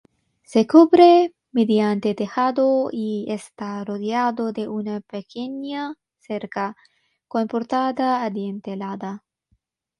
Se cubre mediante tejado y está rodeado de una pequeña cerca, con portada adintelada.